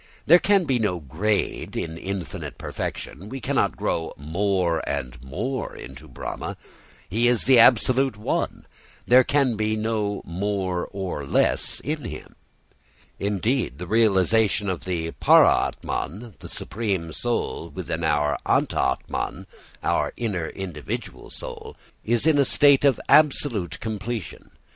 There can be no grade in infinite perfection. We cannot grow more and more into Brahma. He is the absolute one, and there can be no more or less in him. Indeed, the realisation of the paramātman, the supreme soul, within our antarātman, our inner individual soul, is in a state of absolute completion.